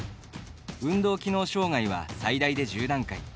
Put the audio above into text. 運動機能障がいは最大で１０段階。